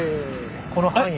この範囲が。